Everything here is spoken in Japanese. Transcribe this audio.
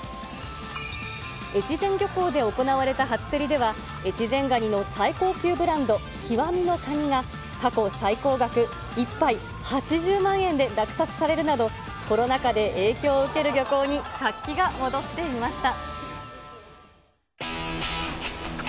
越前漁港で行われた初競りでは、越前ガニの最高級ブランド、極のカニが過去最高額１杯８０万円で落札されるなど、コロナ禍で影響を受ける漁港に活気が戻っていました。